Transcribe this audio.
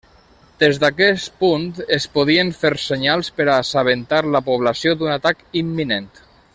Des d'aquest punt es podien fer senyals per a assabentar la població d'un atac imminent.